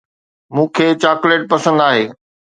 مون کي چاڪليٽ پسند آهي.